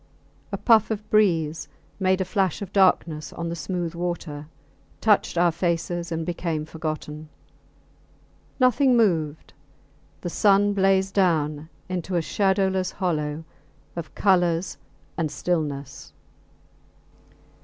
A puff of breeze made a flash of darkness on the smooth water, touched our faces, and became forgotten. Nothing moved. The sun blazed down into a shadowless hollow of colours and stillness.